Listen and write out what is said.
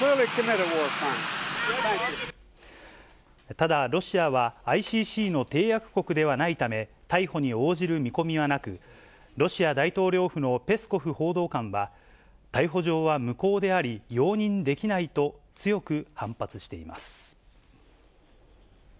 ただ、ロシアは、ＩＣＣの締約国ではないため、逮捕に応じる見込みはなく、ロシア大統領府のペスコフ報道官は、逮捕状は無効であり、容認できないと強く反発しています。